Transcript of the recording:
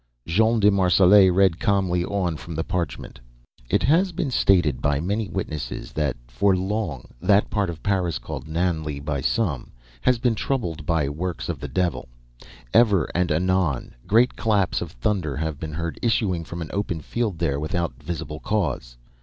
Jean de Marselait read calmly on from the parchment. "It is stated by many witnesses that for long that part of Paris, called Nanley by some, has been troubled by works of the devil. Ever and anon great claps of thunder have been heard issuing from an open field there without visible cause.